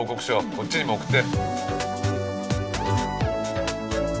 こっちにも送って。